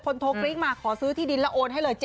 คนโทรคลิกมาขอซื้อที่ดินแล้วโอนให้เลย๗หลัก